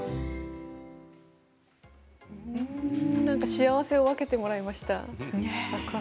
幸せを分けてもらいました。